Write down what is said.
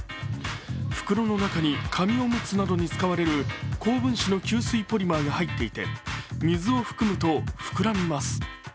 袋の中に紙おむつなどに使われる高分子の吸水性ポリマーが入っていて、水を含むと膨らみます。